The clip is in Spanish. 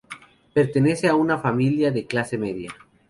Pertenece a una familia de clase media.